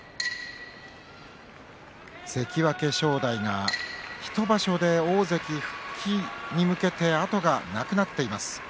関脇正代が１場所で大関復帰に向けて、後がなくなっています。